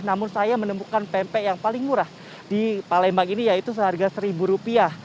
namun saya menemukan pempek yang paling murah di palembang ini yaitu seharga seribu rupiah